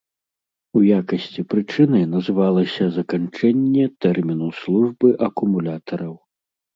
У якасці прычыны называлася заканчэнне тэрміну службы акумулятараў.